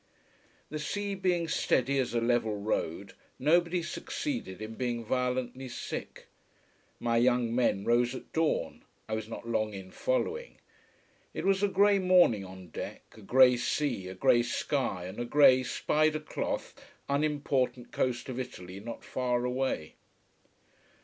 The sea being steady as a level road, nobody succeeded in being violently sick. My young men rose at dawn I was not long in following. It was a gray morning on deck, a gray sea, a gray sky, and a gray, spider cloth, unimportant coast of Italy not far away.